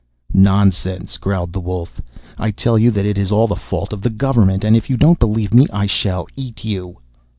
'Nonsense!' growled the Wolf. 'I tell you that it is all the fault of the Government, and if you don't believe me I shall eat you.